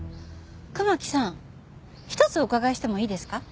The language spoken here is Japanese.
熊木さん一つお伺いしてもいいですか？